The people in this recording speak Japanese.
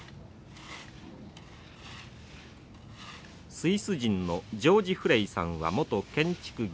スイス人のジョージ・フレイさんは元建築技師。